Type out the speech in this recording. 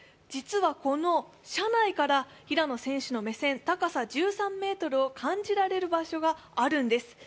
実はこの社内から平野選手の目線、高さ１３ｍを感じられる場所があるんです。